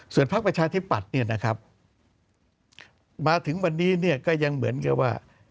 พักประชาธิปัตย์เนี่ยนะครับมาถึงวันนี้เนี่ยก็ยังเหมือนกับว่า